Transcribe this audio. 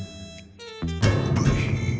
ブヒ。